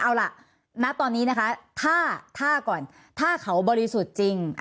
เอาล่ะณตอนนี้นะคะถ้าขาวบริสุทธิ์จริง